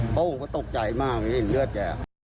โอ้ผมก็ตกใจมากไม่ได้เห็นเลือดแก